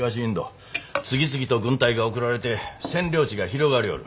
次々と軍隊が送られて占領地が広がりょおる。